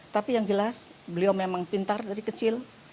tapi yang jelas beliau memang pintar dari kecil